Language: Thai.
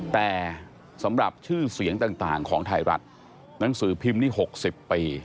แต่สำหรับชื่อเสียงต่างของไทยรัฐหนังสือพิมพ์นี้๖๐ปี